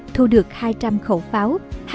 thu được hai trăm linh khẩu pháo